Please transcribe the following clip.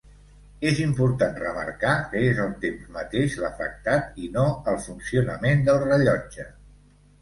És important remarcar que és el temps mateix l'afectat i no el funcionament del rellotge.